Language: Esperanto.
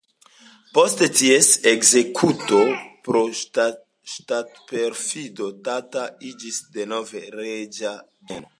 Post ties ekzekuto pro ŝtatperfido Tata iĝis denove reĝa bieno.